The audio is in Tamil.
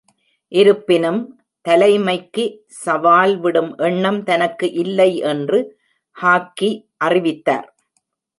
இருப்பினும், தலைமைக்கு சவால் விடும் எண்ணம் தனக்கு இல்லை என்று ஹாக்கி அறிவித்தார்.